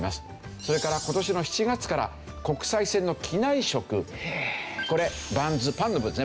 それから今年の７月から国際線の機内食これバンズパンの部分ですね。